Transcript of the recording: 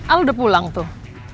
al udah pulang tuh